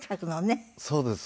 そうです。